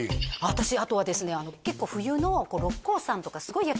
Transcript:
私あとはですね